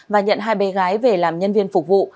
và nhận hai bé gái về làm nhân viên phục vụ